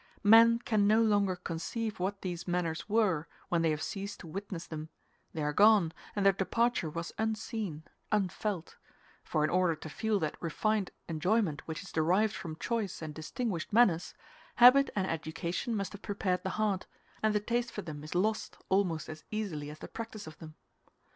Men can no longer conceive what these manners were when they have ceased to witness them; they are gone, and their departure was unseen, unfelt; for in order to feel that refined enjoyment which is derived from choice and distinguished manners, habit and education must have prepared the heart, and the taste for them is lost almost as easily as the practice of them.